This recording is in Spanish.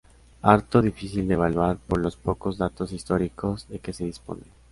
Harto difícil de evaluar por los pocos datos históricos de que se dispone.